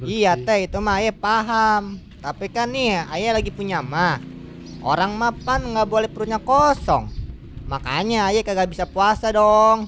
iya teh itu mah ayah paham tapi kan nih ayah lagi punya mah orang mah kan nggak boleh perutnya kosong makanya ayah kagak bisa puasa dong